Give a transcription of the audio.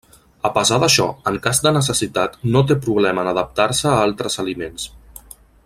A pesar d'això en cas de necessitat no té problema en adaptar-se a altres aliments.